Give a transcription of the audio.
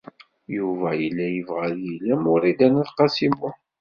Yuba yella yebɣa ad yili am Wrida n At Qasi Muḥ.